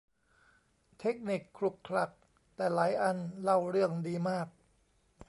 เทคนิคขลุกขลัก แต่หลายอันเล่าเรืองดีมาก